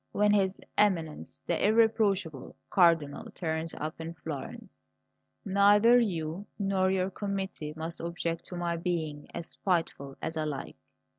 When His Eminence, the irreproachable Cardinal, turns up in Florence, neither you nor your committee must object to my being as spiteful as I like.